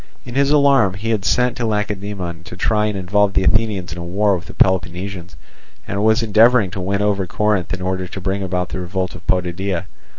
In his alarm he had sent to Lacedaemon to try and involve the Athenians in a war with the Peloponnesians, and was endeavouring to win over Corinth in order to bring about the revolt of Potidæa.